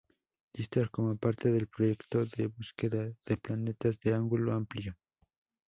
Lister como parte del proyecto de Búsqueda de planetas de ángulo amplio.